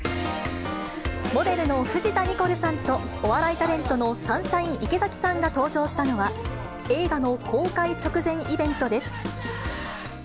モデルの藤田ニコルさんと、お笑いタレントのサンシャイン池崎さんが登場したのは、映画の公開直前イベントです。